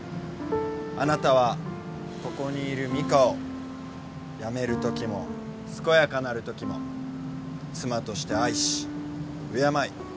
あなたはここにいるミカを病めるときも健やかなるときも妻として愛し敬い